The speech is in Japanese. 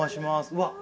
うわっ